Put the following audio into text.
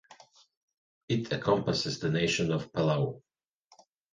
It encompasses the nation of Palau.